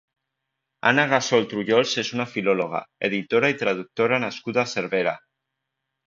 Anna Gasol Trullols és una filòloga, editora i traductora nascuda a Cervera.